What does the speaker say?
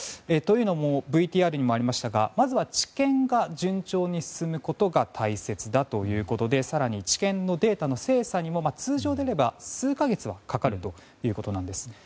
というのも、ＶＴＲにもありましたが、まずは治験が順調に進むことが大切だということで更に治験のデータの精査にも通常であれば数か月はかかるということです。